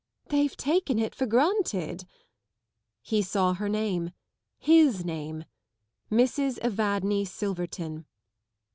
" They've taken it for grantedl " He saw her name ŌĆö his name ŌĆö MRS. EVADNE SILVERTON.